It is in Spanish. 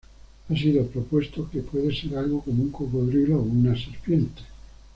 Ha sido propuesto que puede ser algo como un cocodrilo o una serpiente.